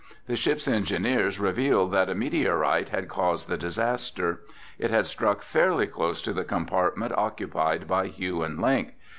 The ship's engineers revealed that a meteorite had caused the disaster. It had struck fairly close to the compartment occupied by Hugh and Link.